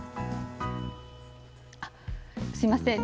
あっすいません。